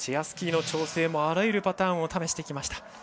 スキーの調整もあらゆるパターンを試してきました。